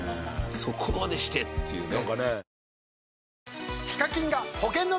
そこまでしてっていうね。